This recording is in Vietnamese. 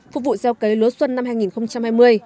phục vụ gieo cấy lúa xuân năm hai nghìn hai mươi